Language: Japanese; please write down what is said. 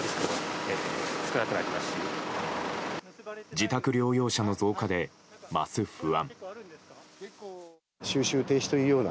自宅療養者の増加で増す不安。